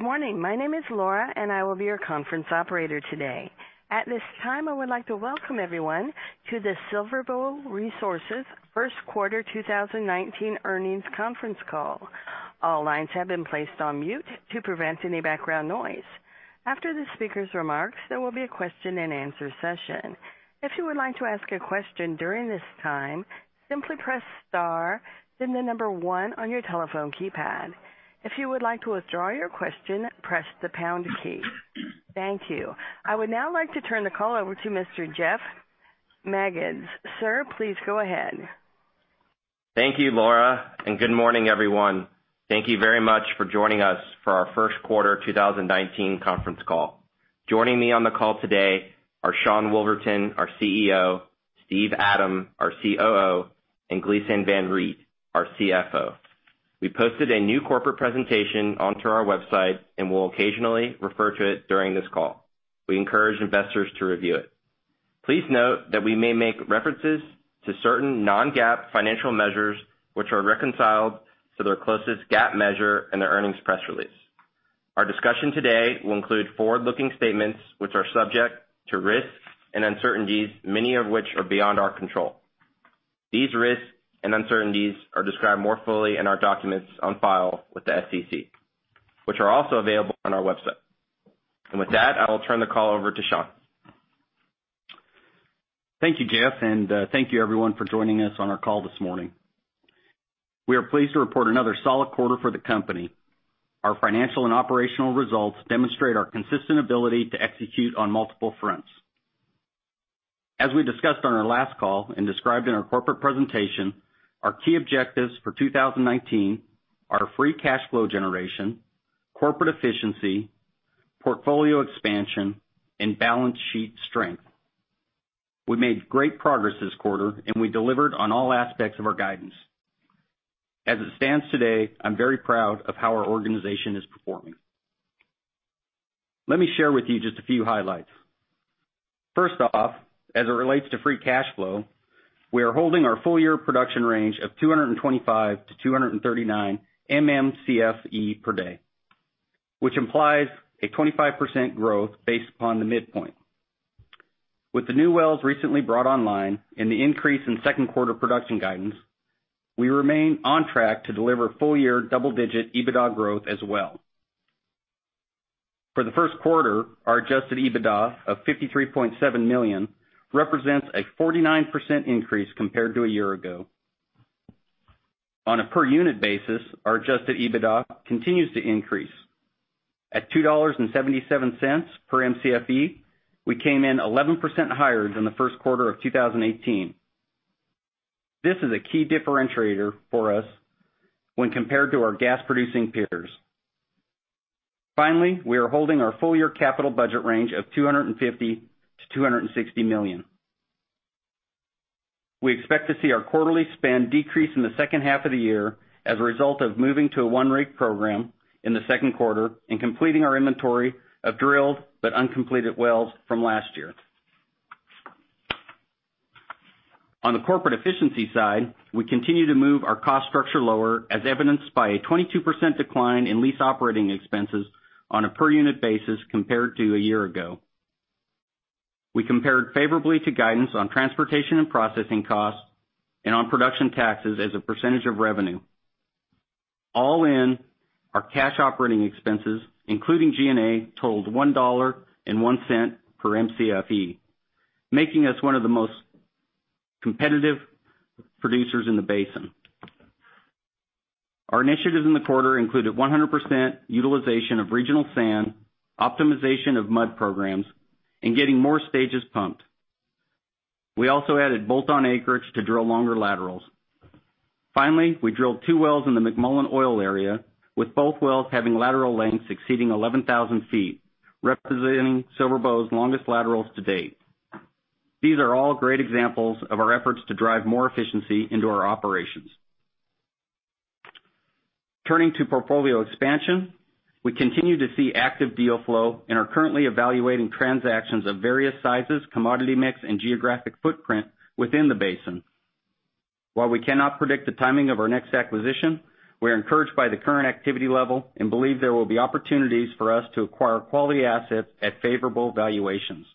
Good morning. My name is Laura, and I will be your conference operator today. At this time, I would like to welcome everyone to the SilverBow Resources First Quarter 2019 Earnings Conference Call. All lines have been placed on mute to prevent any background noise. After the speaker's remarks, there will be a question and answer session. If you would like to ask a question during this time, simply press star then the number 1 on your telephone keypad. If you would like to withdraw your question, press the pound key. Thank you. I would now like to turn the call over to Mr. Jeff Magids. Sir, please go ahead. Thank you, Laura, and good morning, everyone. Thank you very much for joining us for our first quarter 2019 conference call. Joining me on the call today are Sean Woolverton, our CEO, Steve Adam, our COO, and Gleeson Van Riet, our CFO. We posted a new corporate presentation onto our website and will occasionally refer to it during this call. Please note that we may make references to certain non-GAAP financial measures, which are reconciled to their closest GAAP measure in the earnings press release. Our discussion today will include forward-looking statements, which are subject to risks and uncertainties, many of which are beyond our control. These risks and uncertainties are described more fully in our documents on file with the SEC, which are also available on our website. With that, I will turn the call over to Sean. Thank you, Jeff, and thank you everyone for joining us on our call this morning. We are pleased to report another solid quarter for the company. Our financial and operational results demonstrate our consistent ability to execute on multiple fronts. As we discussed on our last call and described in our corporate presentation, our key objectives for 2019 are free cash flow generation, corporate efficiency, portfolio expansion, and balance sheet strength. We made great progress this quarter, and we delivered on all aspects of our guidance. As it stands today, I am very proud of how our organization is performing. Let me share with you just a few highlights. First off, as it relates to free cash flow, we are holding our full-year production range of 225 to 239 MMCFE per day, which implies a 25% growth based upon the midpoint. With the new wells recently brought online and the increase in second quarter production guidance, we remain on track to deliver full-year double-digit EBITDA growth as well. For the first quarter, our adjusted EBITDA of $53.7 million represents a 49% increase compared to a year ago. On a per-unit basis, our adjusted EBITDA continues to increase. At $2.77 per MCFE, we came in 11% higher than the first quarter of 2018. This is a key differentiator for us when compared to our gas-producing peers. Finally, we are holding our full-year capital budget range of $250 million-$260 million. We expect to see our quarterly spend decrease in the second half of the year as a result of moving to a one-rig program in the second quarter and completing our inventory of drilled but uncompleted wells from last year. On the corporate efficiency side, we continue to move our cost structure lower, as evidenced by a 22% decline in lease operating expenses on a per-unit basis compared to a year ago. We compared favorably to guidance on transportation and processing costs and on production taxes as a percentage of revenue. All in, our cash operating expenses, including G&A, totaled $1.01 per MCFE, making us one of the most competitive producers in the basin. Our initiatives in the quarter included 100% utilization of regional sand, optimization of mud programs, and getting more stages pumped. We also added bolt-on acreage to drill longer laterals. Finally, we drilled two wells in the McMullen oil area, with both wells having lateral lengths exceeding 11,000 feet, representing SilverBow's longest laterals to date. These are all great examples of our efforts to drive more efficiency into our operations. Turning to portfolio expansion, we continue to see active deal flow and are currently evaluating transactions of various sizes, commodity mix, and geographic footprint within the basin. While we cannot predict the timing of our next acquisition, we're encouraged by the current activity level and believe there will be opportunities for us to acquire quality assets at favorable valuations.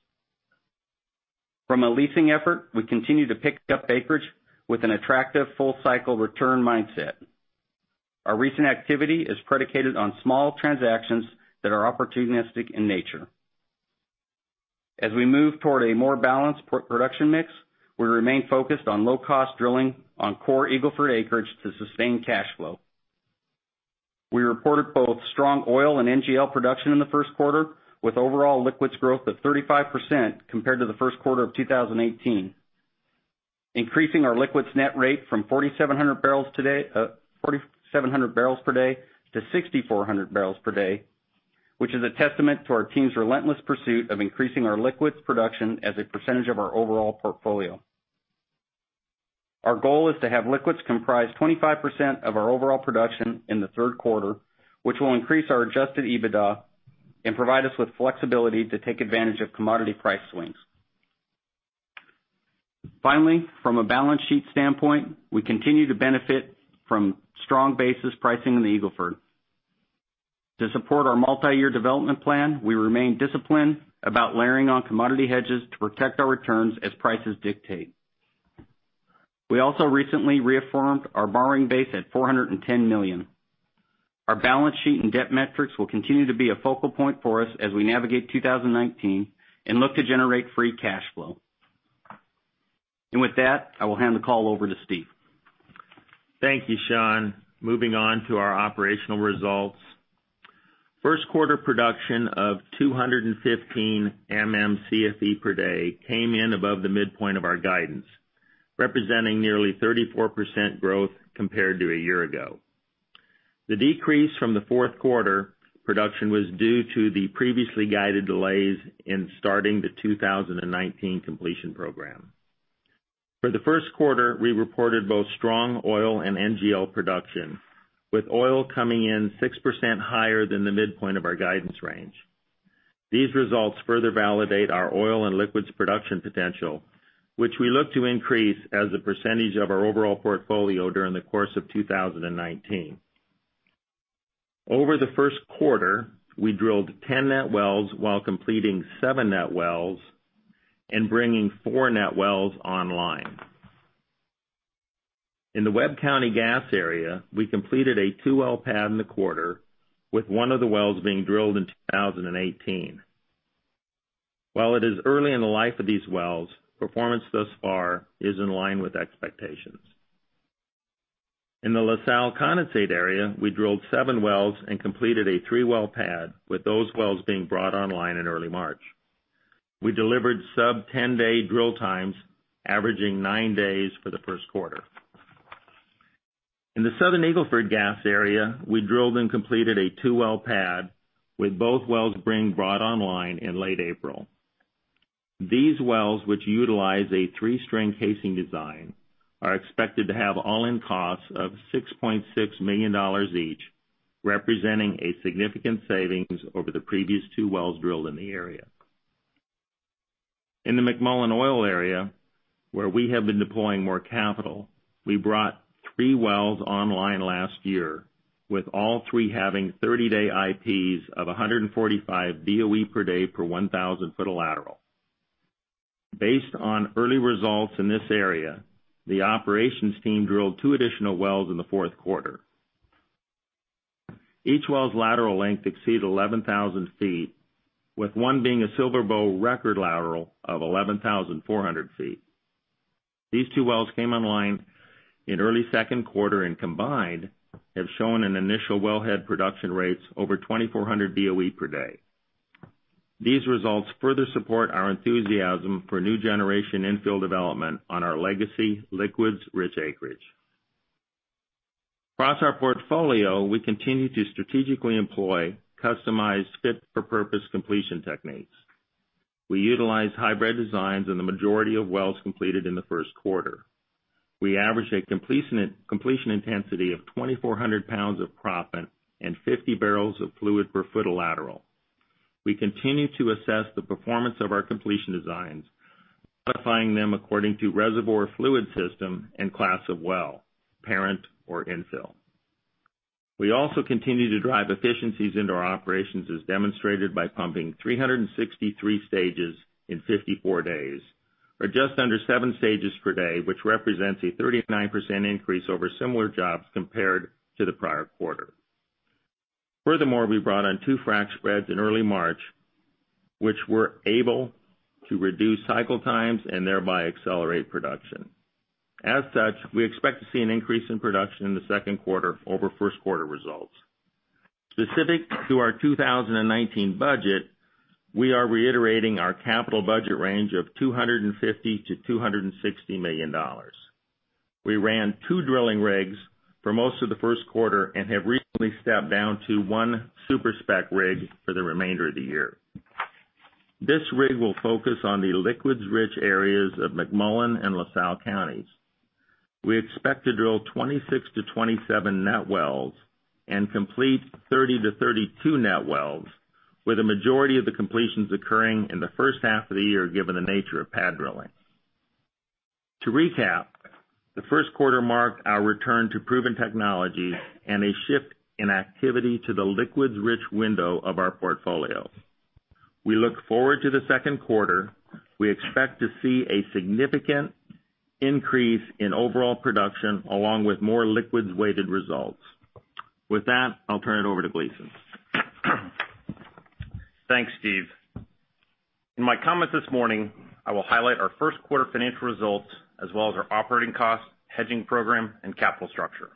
From a leasing effort, we continue to pick up acreage with an attractive full-cycle return mindset. Our recent activity is predicated on small transactions that are opportunistic in nature. As we move toward a more balanced production mix, we remain focused on low-cost drilling on core Eagle Ford acreage to sustain cash flow. We reported both strong oil and NGL production in the first quarter, with overall liquids growth of 35% compared to the first quarter of 2018, increasing our liquids net rate from 4,700 barrels per day to 6,400 barrels per day, which is a testament to our team's relentless pursuit of increasing our liquids production as a percentage of our overall portfolio. Our goal is to have liquids comprise 25% of our overall production in the third quarter, which will increase our adjusted EBITDA and provide us with flexibility to take advantage of commodity price swings. Finally, from a balance sheet standpoint, we continue to benefit from strong basis pricing in the Eagle Ford. To support our multi-year development plan, we remain disciplined about layering on commodity hedges to protect our returns as prices dictate. We also recently reaffirmed our borrowing base at $410 million. Our balance sheet and debt metrics will continue to be a focal point for us as we navigate 2019 and look to generate free cash flow. With that, I will hand the call over to Steve. Thank you, Sean. Moving on to our operational results. First quarter production of 215 MMcfe per day came in above the midpoint of our guidance, representing nearly 34% growth compared to a year ago. The decrease from the fourth quarter production was due to the previously guided delays in starting the 2019 completion program. For the first quarter, we reported both strong oil and NGL production, with oil coming in 6% higher than the midpoint of our guidance range. These results further validate our oil and liquids production potential, which we look to increase as a percentage of our overall portfolio during the course of 2019. Over the first quarter, we drilled 10 net wells while completing seven net wells and bringing four net wells online. In the Webb County gas area, we completed a two-well pad in the quarter, with one of the wells being drilled in 2018. While it is early in the life of these wells, performance thus far is in line with expectations. In the LaSalle condensate area, we drilled seven wells and completed a three-well pad, with those wells being brought online in early March. We delivered sub-10-day drill times, averaging nine days for the first quarter. In the Southern Eagle Ford gas area, we drilled and completed a two-well pad, with both wells being brought online in late April. These wells, which utilize a three-string casing design, are expected to have all-in costs of $6.6 million each, representing a significant savings over the previous two wells drilled in the area. In the McMullen oil area, where we have been deploying more capital, we brought three wells online last year, with all three having 30-day IPs of 145 BOE per day per 1,000 foot of lateral. Based on early results in this area, the operations team drilled two additional wells in the fourth quarter. Each well's lateral length exceeds 11,000 feet, with one being a SilverBow record lateral of 11,400 feet. These two wells came online in early second quarter, and combined, have shown an initial well head production rates over 2,400 BOE per day. These results further support our enthusiasm for new generation infill development on our legacy liquids-rich acreage. Across our portfolio, we continue to strategically employ customized fit-for-purpose completion techniques. We utilize hybrid designs in the majority of wells completed in the first quarter. We average a completion intensity of 2,400 pounds of proppant and 50 barrels of fluid per foot of lateral. We continue to assess the performance of our completion designs, modifying them according to reservoir fluid system and class of well, parent or infill. We also continue to drive efficiencies into our operations as demonstrated by pumping 363 stages in 54 days, or just under 7 stages per day, which represents a 39% increase over similar jobs compared to the prior quarter. Furthermore, we brought on two frac spreads in early March, which were able to reduce cycle times and thereby accelerate production. As such, we expect to see an increase in production in the second quarter over first quarter results. Specific to our 2019 budget, we are reiterating our capital budget range of $250 million-$260 million. We ran two drilling rigs for most of the first quarter and have recently stepped down to one super-spec rig for the remainder of the year. This rig will focus on the liquids-rich areas of McMullen and LaSalle counties. We expect to drill 26-27 net wells and complete 30-32 net wells, with the majority of the completions occurring in the first half of the year, given the nature of pad drilling. To recap, the first quarter marked our return to proven technology and a shift in activity to the liquids-rich window of our portfolio. We look forward to the second quarter. We expect to see a significant increase in overall production along with more liquids-weighted results. With that, I'll turn it over to Gleeson. Thanks, Steve. In my comments this morning, I will highlight our first quarter financial results as well as our operating costs, hedging program, and capital structure.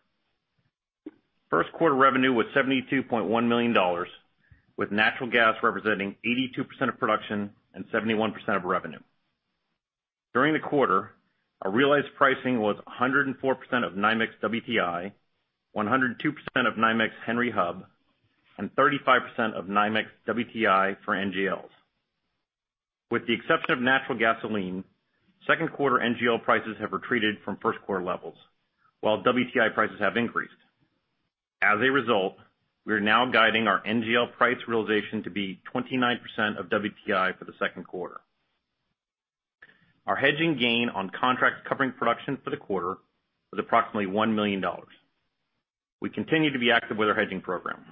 First quarter revenue was $72.1 million, with natural gas representing 82% of production and 71% of revenue. During the quarter, our realized pricing was 104% of NYMEX WTI, 102% of NYMEX Henry Hub, and 35% of NYMEX WTI for NGLs. With the exception of natural gasoline, second quarter NGL prices have retreated from first quarter levels, while WTI prices have increased. As a result, we are now guiding our NGL price realization to be 29% of WTI for the second quarter. Our hedging gain on contracts covering production for the quarter was approximately $1 million. We continue to be active with our hedging program.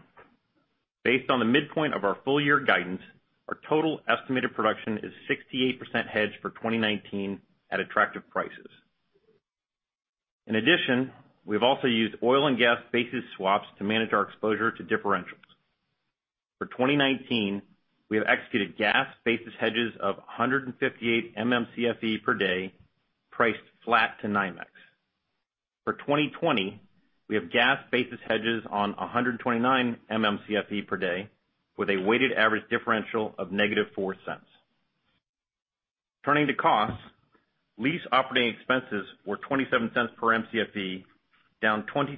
Based on the midpoint of our full-year guidance, our total estimated production is 68% hedged for 2019 at attractive prices. We've also used oil and gas basis swaps to manage our exposure to differentials. For 2019, we have executed gas basis hedges of 158 MMcfe per day, priced flat to NYMEX. For 2020, we have gas basis hedges on 129 MMcfe per day with a weighted average differential of negative $0.04. Turning to costs, lease operating expenses were $0.27 per Mcfe, down 22%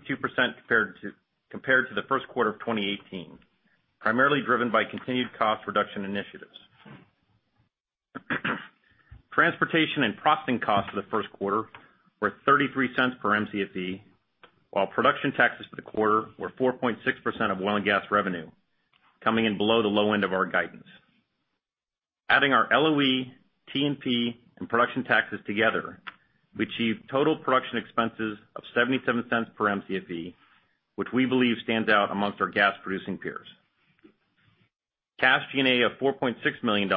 compared to the first quarter of 2018, primarily driven by continued cost reduction initiatives. Transportation and processing costs for the first quarter were $0.33 per Mcfe, while production taxes for the quarter were 4.6% of oil and gas revenue, coming in below the low end of our guidance. Adding our LOE, T&P, and production taxes together, we achieved total production expenses of $0.77 per Mcfe, which we believe stands out amongst our gas-producing peers. Cash G&A of $4.6 million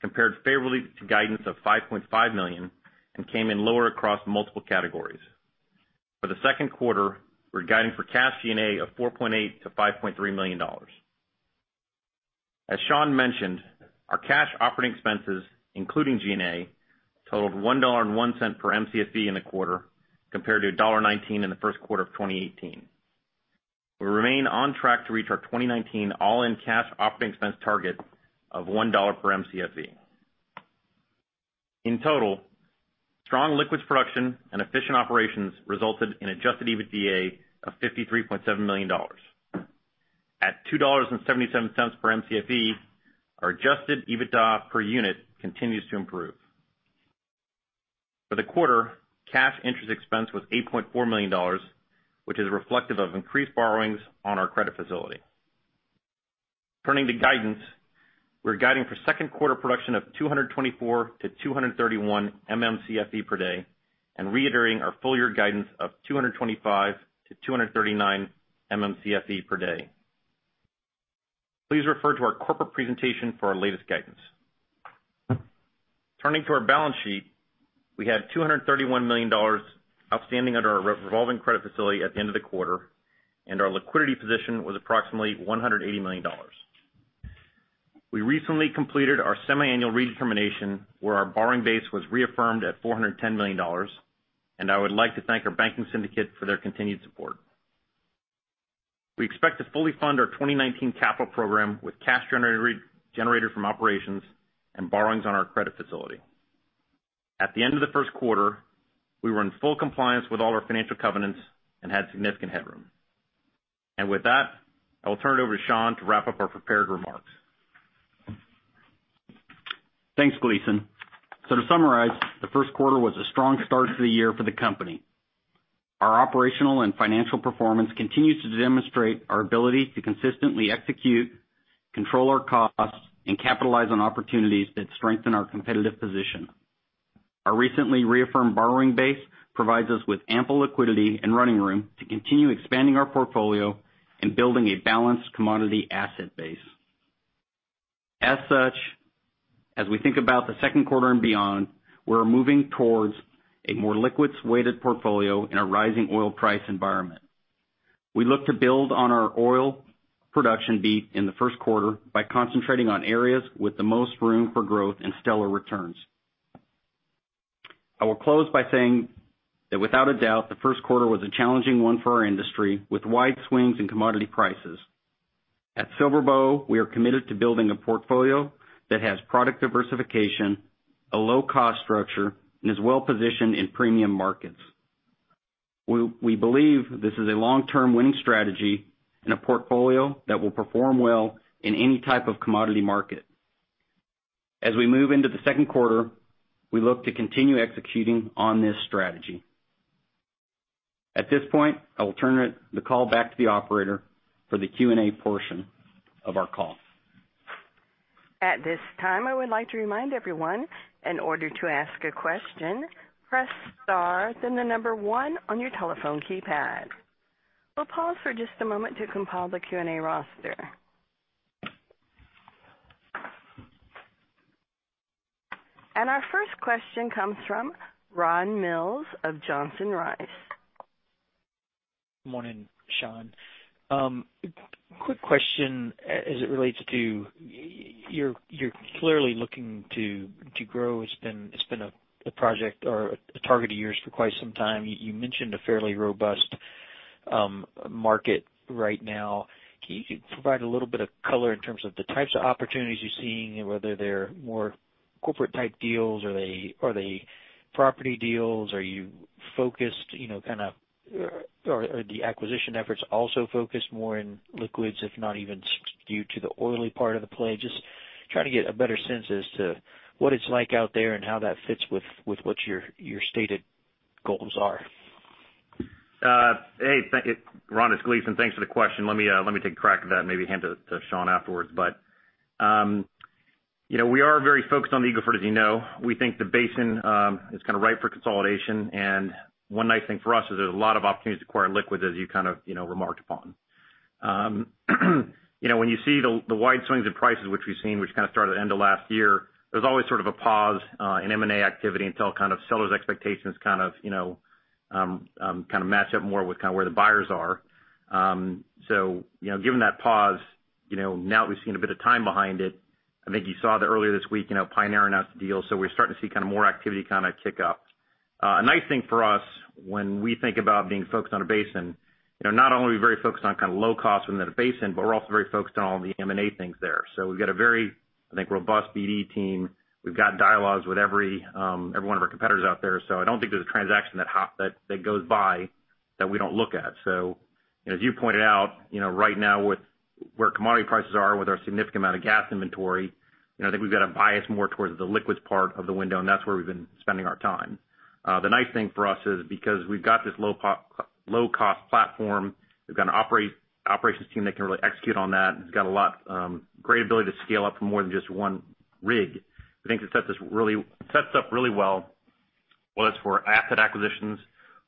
compared favorably to guidance of $5.5 million and came in lower across multiple categories. For the second quarter, we're guiding for cash G&A of $4.8 million-$5.3 million. As Sean mentioned, our cash operating expenses, including G&A, totaled $1.01 per Mcfe in the quarter, compared to $1.19 in the first quarter of 2018. We remain on track to reach our 2019 all-in cash operating expense target of $1 per Mcfe. In total, strong liquids production and efficient operations resulted in adjusted EBITDA of $53.7 million. At $2.77 per Mcfe, our adjusted EBITDA per unit continues to improve. For the quarter, cash interest expense was $8.4 million, which is reflective of increased borrowings on our credit facility. Turning to guidance, we're guiding for second quarter production of 224-231 MMcfe per day and reiterating our full-year guidance of 225-239 MMcfe per day. Please refer to our corporate presentation for our latest guidance. Turning to our balance sheet, we had $231 million outstanding under our revolving credit facility at the end of the quarter, and our liquidity position was approximately $180 million. We recently completed our semiannual redetermination, where our borrowing base was reaffirmed at $410 million. I would like to thank our banking syndicate for their continued support. We expect to fully fund our 2019 capital program with cash generated from operations and borrowings on our credit facility. At the end of the first quarter, we were in full compliance with all our financial covenants and had significant headroom. With that, I will turn it over to Sean to wrap up our prepared remarks. Thanks, Gleeson. To summarize, the first quarter was a strong start to the year for the company. Our operational and financial performance continues to demonstrate our ability to consistently execute, control our costs, and capitalize on opportunities that strengthen our competitive position. Our recently reaffirmed borrowing base provides us with ample liquidity and running room to continue expanding our portfolio and building a balanced commodity asset base. As we think about the second quarter and beyond, we're moving towards a more liquids-weighted portfolio in a rising oil price environment. We look to build on our oil production beat in the first quarter by concentrating on areas with the most room for growth and stellar returns. I will close by saying that without a doubt, the first quarter was a challenging one for our industry, with wide swings in commodity prices. At SilverBow, we are committed to building a portfolio that has product diversification, a low-cost structure, and is well-positioned in premium markets. We believe this is a long-term winning strategy and a portfolio that will perform well in any type of commodity market. As we move into the second quarter, we look to continue executing on this strategy. At this point, I will turn the call back to the operator for the Q&A portion of our call. At this time, I would like to remind everyone, in order to ask a question, press star, then the number 1 on your telephone keypad. We'll pause for just a moment to compile the Q&A roster. Our first question comes from Ron Mills of Johnson Rice. Morning, Sean. Quick question as it relates to you're clearly looking to grow. It's been a project or a target of yours for quite some time. You mentioned a fairly robust market right now. Can you provide a little bit of color in terms of the types of opportunities you're seeing and whether they're more corporate-type deals? Are they property deals? Are you focused, or are the acquisition efforts also focused more in liquids, if not even skewed to the oily part of the play? Trying to get a better sense as to what it's like out there and how that fits with what your stated goals are? Hey, Ron, it's Gleeson. Thanks for the question. Let me take a crack at that and maybe hand to Sean afterwards. We are very focused on the Eagle Ford, as you know. We think the basin is right for consolidation. One nice thing for us is there's a lot of opportunities to acquire liquids, as you kind of remarked upon. When you see the wide swings in prices, which we've seen, which kind of started at the end of last year, there's always sort of a pause in M&A activity until seller's expectations kind of match up more with where the buyers are. Given that pause, now that we've seen a bit of time behind it, I think you saw that earlier this week, Pioneer announced a deal. We're starting to see more activity kind of kick up. A nice thing for us when we think about being focused on a basin, not only are we very focused on low cost within the basin, but we're also very focused on all the M&A things there. We've got a very, I think, robust BD team. We've got dialogues with every one of our competitors out there. I don't think there's a transaction that goes by that we don't look at. As you pointed out, right now with where commodity prices are, with our significant amount of gas inventory, I think we've got a bias more towards the liquids part of the window, and that's where we've been spending our time. The nice thing for us is because we've got this low-cost platform, we've got an operations team that can really execute on that, and it's got a great ability to scale up to more than just one rig. We think this sets up really well, whether it's for asset acquisitions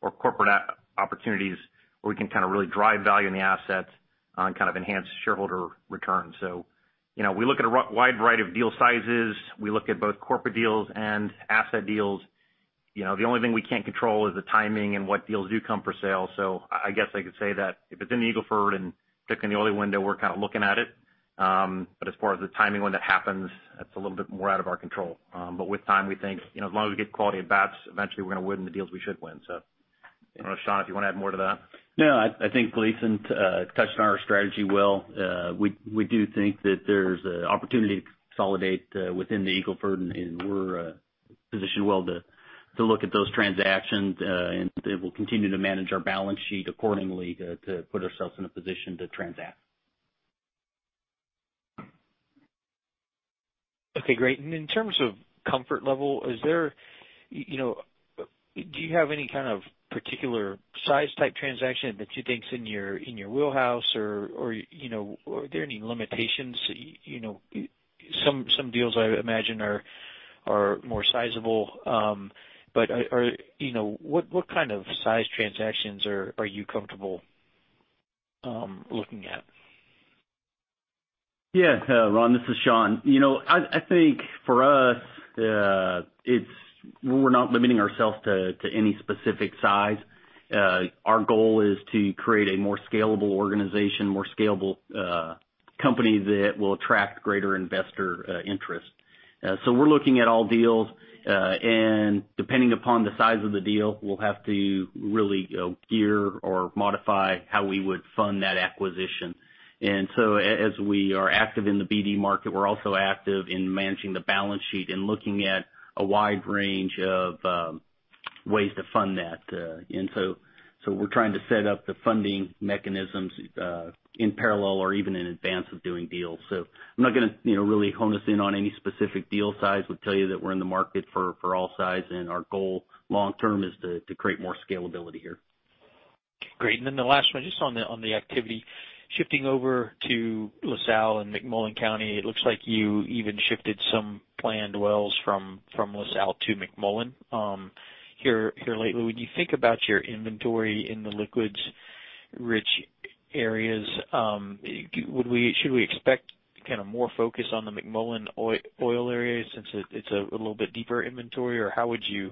or corporate opportunities where we can really drive value in the assets and enhance shareholder returns. We look at a wide variety of deal sizes. We look at both corporate deals and asset deals. The only thing we can't control is the timing and what deals do come for sale. I guess I could say that if it's in the Eagle Ford and particularly in the oil window, we're kind of looking at it. As far as the timing on when that happens, that's a little bit more out of our control. With time, we think, as long as we get quality of bats, eventually we're going to win the deals we should win. I don't know, Sean, if you want to add more to that. No, I think Gleeson touched on our strategy well. We do think that there's an opportunity to consolidate within the Eagle Ford, we're positioned well to look at those transactions. We'll continue to manage our balance sheet accordingly to put ourselves in a position to transact. Okay, great. In terms of comfort level, do you have any kind of particular size type transaction that you think is in your wheelhouse, or are there any limitations? Some deals I would imagine are more sizable. What kind of size transactions are you comfortable looking at? Yeah. Ron, this is Sean. I think for us, we're not limiting ourselves to any specific size. Our goal is to create a more scalable organization, more scalable company that will attract greater investor interest. We're looking at all deals. Depending upon the size of the deal, we'll have to really gear or modify how we would fund that acquisition. As we are active in the BD market, we're also active in managing the balance sheet and looking at a wide range of ways to fund that. We're trying to set up the funding mechanisms in parallel or even in advance of doing deals. I'm not going to really hone us in on any specific deal size. We'll tell you that we're in the market for all sizes, and our goal long term is to create more scalability here. Great. The last one, just on the activity. Shifting over to LaSalle and McMullen County, it looks like you even shifted some planned wells from LaSalle to McMullen here lately. When you think about your inventory in the liquids-rich areas, should we expect more focus on the McMullen oil area since it's a little bit deeper inventory? How would you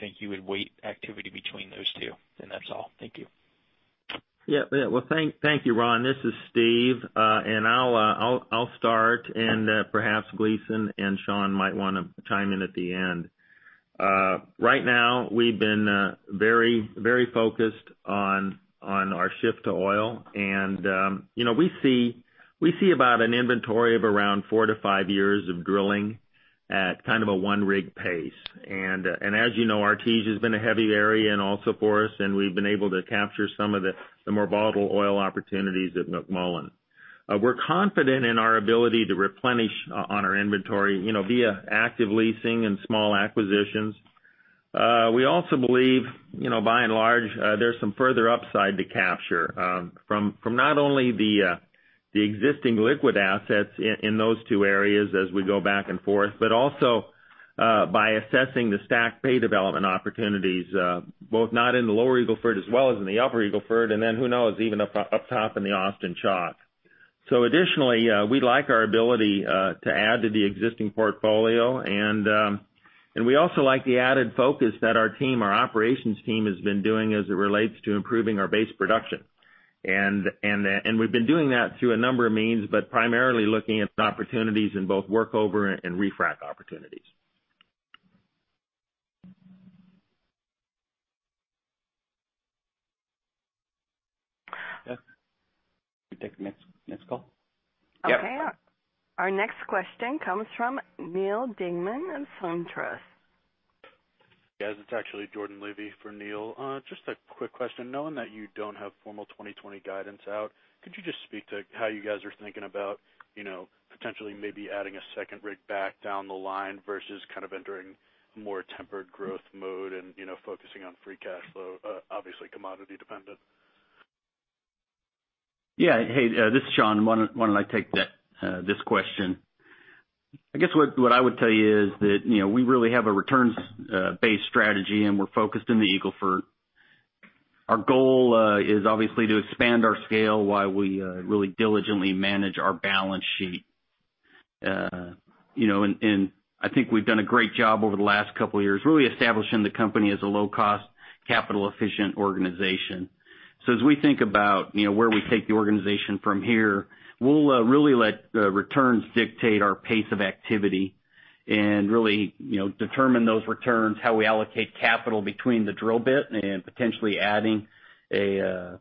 think you would weight activity between those two? That's all. Thank you. Well, thank you, Ron. This is Steve. I'll start, and perhaps Gleeson and Sean might want to chime in at the end. Right now, we've been very focused on our shift to oil. We see about an inventory of around four to five years of drilling at kind of a one rig pace. As you know, Artesia has been a heavy area and also for us, and we've been able to capture some of the more volatile oil opportunities at McMullen. We're confident in our ability to replenish on our inventory via active leasing and small acquisitions. We also believe, by and large, there's some further upside to capture. From not only the existing liquid assets in those two areas as we go back and forth, but also by assessing the STACK play development opportunities, both not in the lower Eagle Ford as well as in the upper Eagle Ford, and then who knows, even up top in the Austin Chalk. Additionally, we like our ability to add to the existing portfolio, and we also like the added focus that our team, our operations team, has been doing as it relates to improving our base production. We've been doing that through a number of means, but primarily looking at opportunities in both workover and refrac opportunities. Yes. We take the next call? Yeah. Okay. Our next question comes from Neal Dingmann of SunTrust Robinson Humphrey. It's actually Jordan Levy for Neal. Just a quick question. Knowing that you don't have formal 2020 guidance out, could you just speak to how you guys are thinking about potentially maybe adding a second rig back down the line versus entering a more tempered growth mode and focusing on free cash flow? Obviously, commodity dependent. Hey, this is Sean. Why don't I take this question? I guess what I would tell you is that we really have a returns-based strategy, and we're focused in the Eagle Ford. Our goal is obviously to expand our scale while we really diligently manage our balance sheet. I think we've done a great job over the last couple of years, really establishing the company as a low-cost, capital-efficient organization. As we think about where we take the organization from here, we'll really let the returns dictate our pace of activity and really determine those returns, how we allocate capital between the drill bit and potentially adding a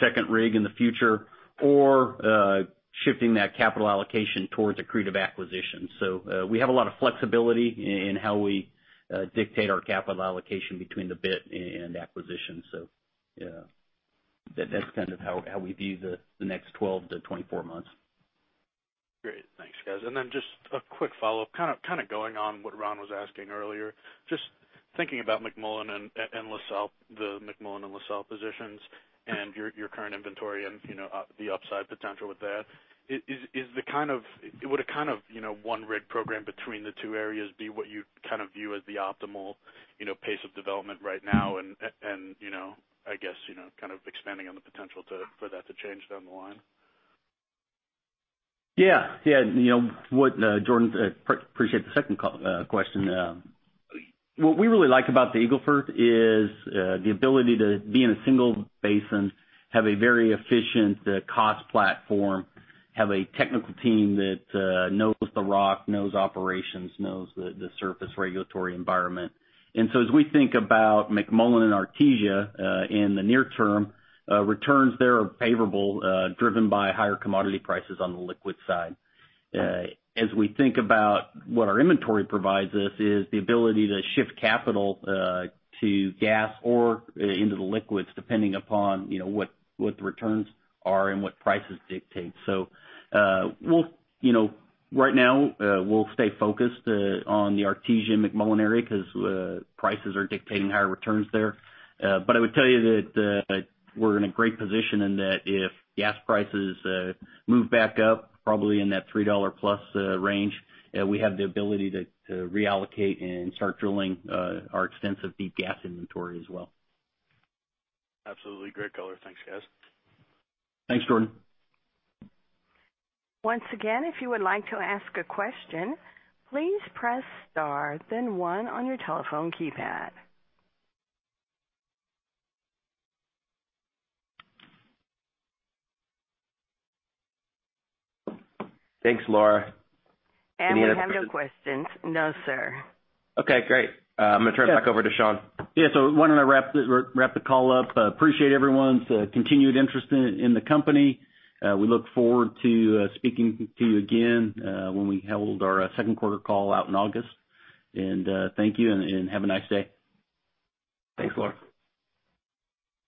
second rig in the future, or shifting that capital allocation towards accretive acquisitions. We have a lot of flexibility in how we dictate our capital allocation between the bit and acquisitions. That's kind of how we view the next 12 to 24 months. Great. Thanks, guys. Just a quick follow-up, kind of going on what Ron was asking earlier. Just thinking about McMullen and LaSalle, the McMullen and LaSalle positions, and your current inventory and the upside potential with that. Would a kind of one rig program between the two areas be what you kind of view as the optimal pace of development right now? I guess, kind of expanding on the potential for that to change down the line. Yeah. Jordan, appreciate the second question. What we really like about the Eagle Ford is the ability to be in a single basin, have a very efficient cost platform, have a technical team that knows the rock, knows operations, knows the surface regulatory environment. As we think about McMullen and Artesia in the near term, returns there are favorable, driven by higher commodity prices on the liquid side. As we think about what our inventory provides us is the ability to shift capital to gas or into the liquids, depending upon what the returns are and what prices dictate. Right now, we'll stay focused on the Artesia McMullen area because prices are dictating higher returns there. I would tell you that we're in a great position in that if gas prices move back up, probably in that $3 plus range, we have the ability to reallocate and start drilling our extensive deep gas inventory as well. Absolutely. Great color. Thanks, guys. Thanks, Jordan. Once again, if you would like to ask a question, please press star then one on your telephone keypad. Thanks, Laura. Any other questions? We have no questions. No, sir. Okay, great. I'm gonna turn it back over to Sean. Yeah. Why don't I wrap the call up? Appreciate everyone's continued interest in the company. We look forward to speaking to you again when we hold our second quarter call out in August. Thank you, and have a nice day. Thanks, Laura.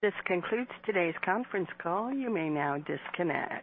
This concludes today's conference call. You may now disconnect.